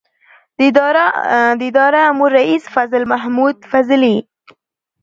د اداره امور رئیس فضل محمود فضلي